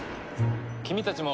君たちも。